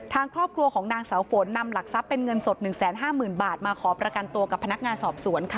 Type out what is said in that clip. ทางครอบครัวของนางเสาฝนนำหลักทรัพย์เป็นเงินสด๑๕๐๐๐บาทมาขอประกันตัวกับพนักงานสอบสวนค่ะ